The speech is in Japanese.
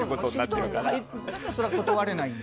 それは断れないんで。